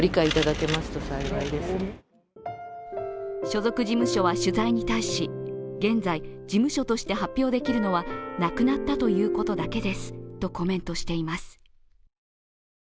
所属事務所は取材に対し現在、事務所として発表できるのは亡くなったということだけですとコメントしています。